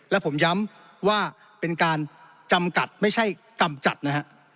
และผมย้ำว่าเป็นการจำกัดไม่ใช่กำจัดนะฮะ